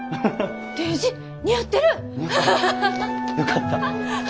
よかった。